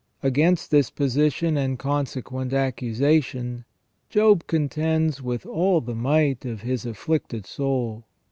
Against this position and conse quent accusation Job contends with all the might of his afflicted soul.